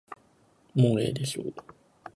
もうええでしょう。